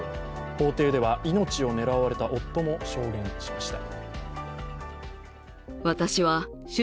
法廷では、命を狙われた夫も証言しました。